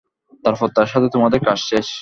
তারপর তার সাথে তোমাদের কাজ শেষ।